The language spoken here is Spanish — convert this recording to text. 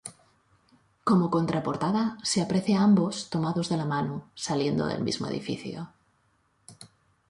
Como contraportada, se aprecia a ambos tomados de la mano saliendo del mismo edificio.